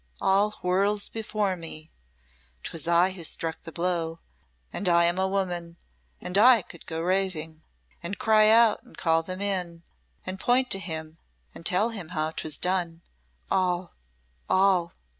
All whirls before me. 'Twas I who struck the blow and I am a woman and I could go raving and cry out and call them in, and point to him, and tell them how 'twas done all! all!"